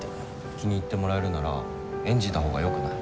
気に入ってもらえるなら演じたほうがよくない？